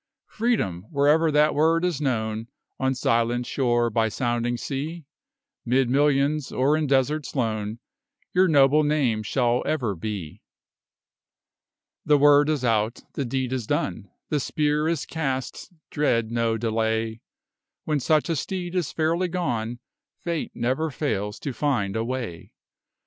Freedom! where'er that word is known On silent shore, by sounding sea, 'Mid millions, or in deserts lone Your noble name shall ever be. The word is out, the deed is done, The spear is cast, dread no delay; When such a steed is fairly gone, Fate never fails to find a way.